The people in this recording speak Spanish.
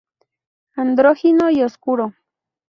Andrógino y oscuro.